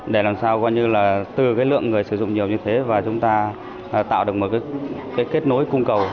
để làm sao coi như là từ cái lượng người sử dụng nhiều như thế và chúng ta tạo được một cái kết nối cung cầu